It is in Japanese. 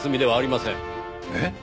えっ？